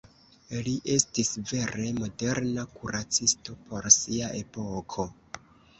Li estis vere moderna kuracisto por sia epoko.